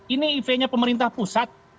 ini eventnya pemerintah pusat